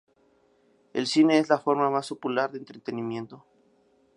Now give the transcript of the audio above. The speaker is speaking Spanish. El cine es la forma más popular de entretenimiento.